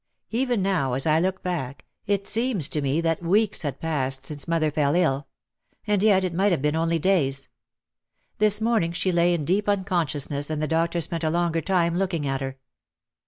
Even now, as I look back, it seems to me that weeks had passed since mother fell ill. And yet it might have been only days. This morning she lay in deep unconsciousness and the doctor spent a longer time looking at her.